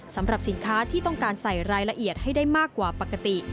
สำหรับสินค้าที่ต้องการใส่รายละเอียดให้ได้มากกว่าปกติ